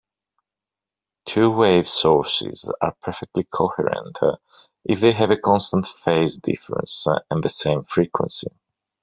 Two-wave sources are perfectly coherent if they have a constant phase difference and the same frequency.